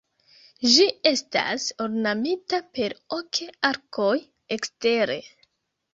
Ĝi estas ornamita per ok arkoj ekstere.